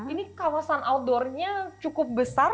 ini kawasan outdoornya cukup besar